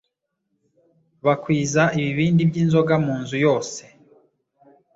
bakwiza ibibindi by'inzoga mu nzu yose,